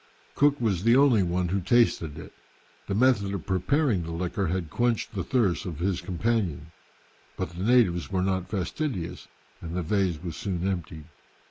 Cook was the only one who tasted it. The method of preparing the liquor had quenched the thirst of his companions, but the natives were not fastidious, and the vase was soon emptied.